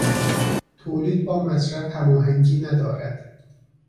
تولید با مصرف هماهنگی ندارد.